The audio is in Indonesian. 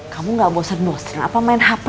kamu tidak bosan bosen apa main hp